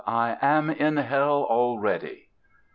I am in Hell already!"